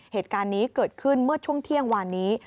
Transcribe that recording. เหตุการณ์นี้เกิดขึ้นเมื่อช่วงเที่ยงวานนี้